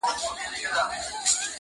دودونه بايد بدل سي ژر-